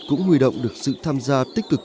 cũng huy động được sự tham gia tích cực